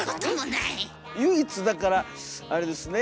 唯一だからあれですね